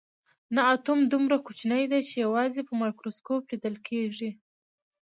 نه اتوم دومره کوچنی دی چې یوازې په مایکروسکوپ لیدل کیږي